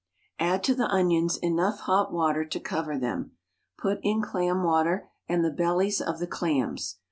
Add to the onions enough hot water to cover them, put in clam water and the bellies of the clams.